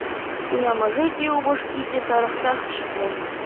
Хунямӑшӗ, те упӑшки те тарӑхсах ҫитнӗ.